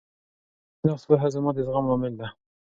د مفهومي شناخت پوهه زما د زغم لامل ده.